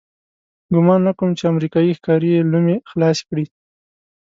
ګمان نه کوم چې امریکایي ښکاري یې لومې خلاصې کړي.